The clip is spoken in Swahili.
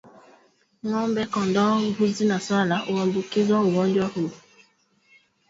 Ng'ombe kondoo mbuzi na swala huambukizwa ugonjwa huu